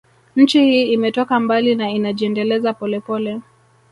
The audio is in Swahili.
Nchi hii imetoka mbali na inajiendeleza polepole